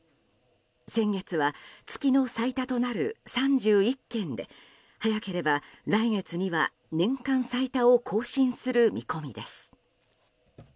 先月は月の最多となる３１件で早ければ来月には年間最多を更新する見込みです。